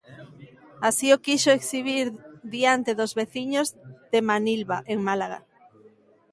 Así o quixo exhibir diante dos veciños de Manilva, en Málaga.